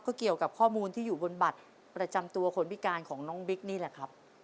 ก็เกี่ยวกับข้อมูลที่อยู่บนบัตรประจำตัวคนพิการของน้องบิ๊กนี่แหละครับ